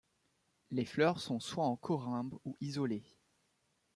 Les fleurs sont soit en corymbes ou isolées.